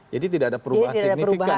jadi tidak ada perubahan signifikan